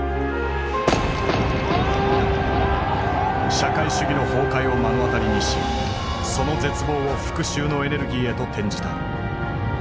社会主義の崩壊を目の当たりにしその絶望を復讐のエネルギーへと転じた。